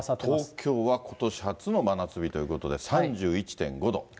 東京はことし初の真夏日ということで、３１．５度。